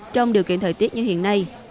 trong điều kiện thời tiết như hiện nay